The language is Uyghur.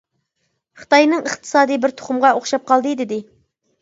خىتاينىڭ ئىقتىسادى بىر تۇخۇمغا ئوخشاپ قالدى دېدى.